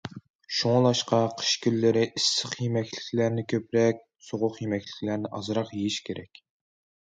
شۇڭلاشقا قىش كۈنلىرى ئىسسىق يېمەكلىكلەرنى كۆپرەك، سوغۇق يېمەكلىكلەرنى ئازراق يېيىش كېرەك.